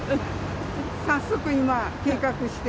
早速今、計画して。